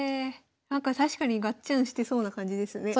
なんか確かにガッチャンしてそうな感じですね。